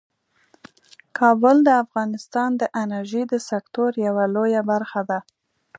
کابل د افغانستان د انرژۍ د سکتور یوه لویه برخه ده.